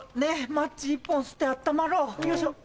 マッチ１本擦って温まろうよいしょ。